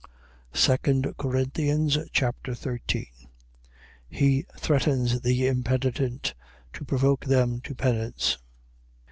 2 Corinthians Chapter 13 He threatens the impenitent, to provoke them to penance.